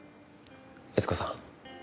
悦子さん。